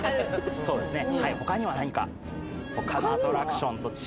そうですね。